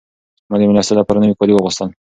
ما د مېلمستیا لپاره نوي کالي واغوستل.